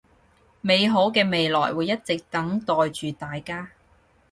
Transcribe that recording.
美好嘅未來會一直等待住大家